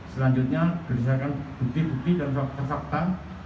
selanjutnya berdasarkan bukti bukti dan fakta